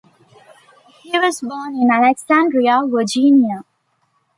He was born in Alexandria, Virginia.